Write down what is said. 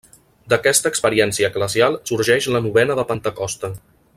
D'aquesta experiència eclesial sorgeix la novena de Pentecosta.